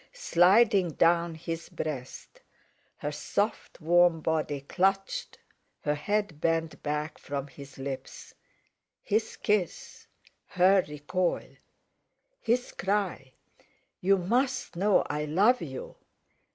sliding—down his breast; her soft, warm body clutched, her head bent back from his lips; his kiss; her recoil; his cry: "You must know—I love you!"